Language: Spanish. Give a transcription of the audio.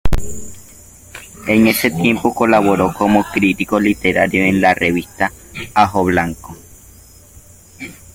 En ese tiempo colaboró como crítico literario en la revista "Ajoblanco".